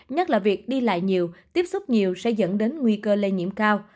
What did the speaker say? nhất là việc đi lại nhiều tiếp xúc nhiều sẽ dẫn đến nguy cơ lây nhiễm cao